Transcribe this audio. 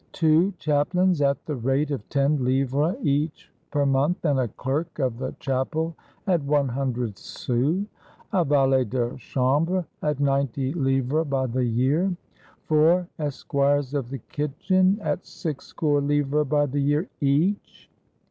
Two chaplains, at the rate of ten livres each per month, and a clerk of the chapel at one hundred sous! A valet de chambre, at ninety livres by the year! Four esquires of the kitchen, at six score livres by the year, each